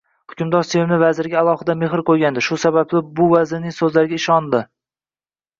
Hukmdor sevimli vaziriga alohida mehr qoʻygandi, shu sababli bu vazirning soʻzlariga ishonmadi